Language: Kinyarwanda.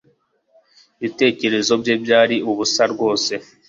Ibitekerezo bye byari ubusa rwose